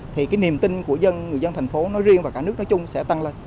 thì cái niềm tin của dân người dân thành phố nói riêng và cả nước nói chung sẽ tăng lên